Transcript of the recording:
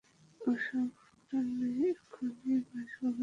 ও সব টেনে এক্ষুনি বাঁশবাগানে ফেলে দিয়ে আসচি।